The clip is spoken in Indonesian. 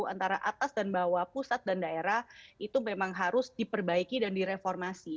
antara atas dan bawah pusat dan daerah itu memang harus diperbaiki dan direformasi